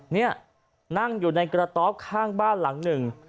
นี่นั่งอยู่ในกระต๊อบข้างบ้านหลังหนึ่ง